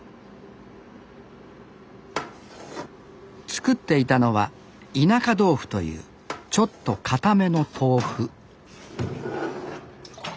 作っていたのは田舎豆腐というちょっと硬めの豆腐